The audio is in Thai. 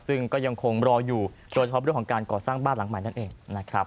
ซึ่งก็ยังคงรออยู่โดยเฉพาะเรื่องของการก่อสร้างบ้านหลังใหม่นั่นเองนะครับ